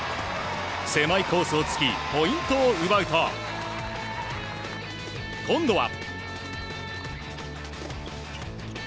狭いコースをつきポイントを奪うと今度は。